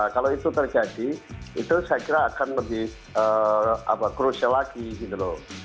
kalau itu terjadi itu saya kira akan lebih crucial lagi gitu loh